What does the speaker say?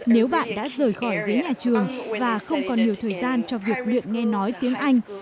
nếu bạn đã rời khỏi ghế nhà trường và không còn nhiều thời gian cho việc luyện nghe nói tiếng anh